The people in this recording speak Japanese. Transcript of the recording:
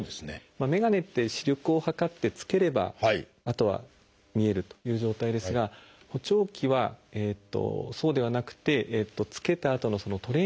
眼鏡って視力を測って着ければあとは見えるという状態ですが補聴器はそうではなくて着けたあとのトレーニングという期間が大事になります。